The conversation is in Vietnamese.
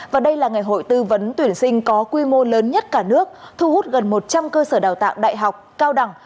và đây là ngày hội tư vấn tuyển sinh có quy mô lớn nhất cả nước thu hút gần một trăm linh cơ sở đào tạo đại học cao đẳng